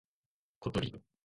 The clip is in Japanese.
ことり